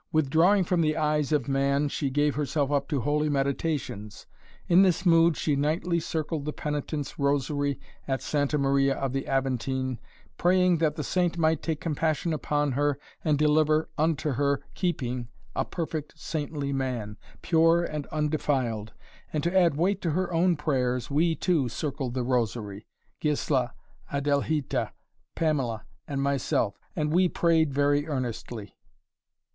"Withdrawing from the eyes of man she gave herself up to holy meditations. In this mood she nightly circled the Penitent's Rosary at Santa Maria of the Aventine, praying that the saint might take compassion upon her and deliver unto her keeping a perfect, saintly man, pure and undefiled. And to add weight to her own prayers, we, too, circled the Rosary; Gisla, Adelhita, Pamela and myself. And we prayed very earnestly."